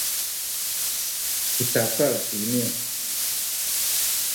u takal kuyni